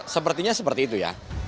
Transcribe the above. sepertinya seperti itu ya